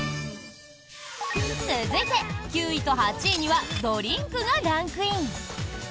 続いて、９位と８位にはドリンクがランクイン！